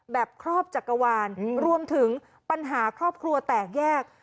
ครอบจักรวาลรวมถึงปัญหาครอบครัวแตกแยก